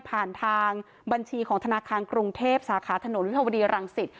ผ่านทางบัญชีของธนาคารกรุงเทพสาขาถนนวิทยาลังสิต